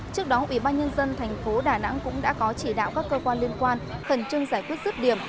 trước đó ủy ban nhân dân thành phố đà nẵng cũng đã có chỉ đạo các cơ quan liên quan khẩn trương giải quyết giúp điểm